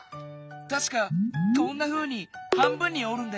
たしかこんなふうに半分におるんだよね。